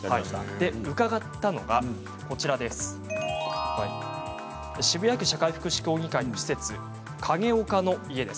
伺ったのは渋谷区社会福祉協議会の施設景丘の家です。